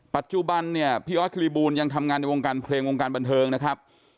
ปัจจุบันเนี่ยพี่ออสคลีบูลยังทำงานในวงการเพลงวงการบันเทิงนะครับ